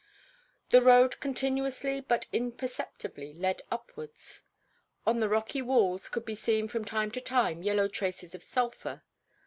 The road continuously but imperceptibly led upwards. On the rocky walls could be seen from time to time yellow traces of sulphur.